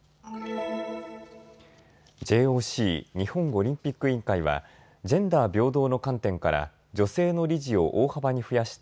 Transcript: ＪＯＣ・日本オリンピック委員会はジェンダー平等の観点から女性の理事を大幅に増やした